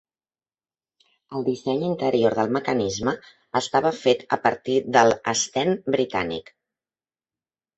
El disseny interior del mecanisme estava fet a partir del Sten britànic.